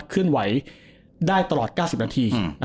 เคลื่อนไหวได้ตลอด๙๐นาที